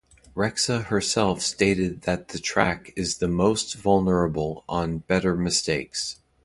Rexha herself stated that the track is the "most vulnerable" on "Better Mistakes".